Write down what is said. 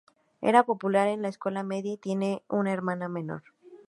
Era popular en la escuela media y tiene una hermana menor.